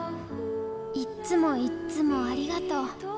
いっつもいっつもありがとう。